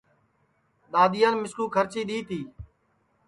دؔادؔیان مِسکُوکھرچی دؔی تی